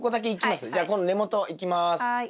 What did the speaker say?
じゃあこの根元いきます。